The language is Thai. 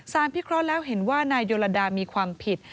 พิเคราะห์แล้วเห็นว่านายโยลดามีความผิด